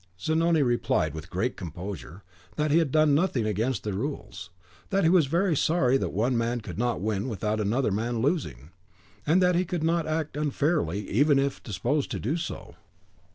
Zanoni replied, with great composure, that he had done nothing against the rules, that he was very sorry that one man could not win without another man losing; and that he could not act unfairly, even if disposed to do so.